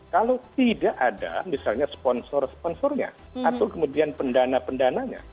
kalau tidak ada misalnya sponsor sponsornya atau kemudian pendana pendananya